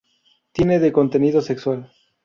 Tiene de contenido sexual.